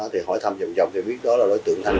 thì hỏi thăm dòng dòng thì biết đó là đối tượng thanh